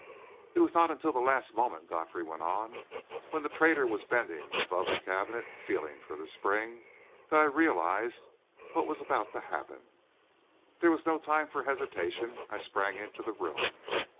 "It was not until the last moment," Godfrey went on, "when the traitor was bending above the cabinet feeling for the spring, that I realised what was about to happen. There was no time for hesitation I sprang into the room.